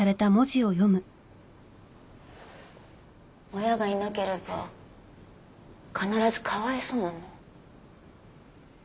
親がいなければ必ずかわいそうなの？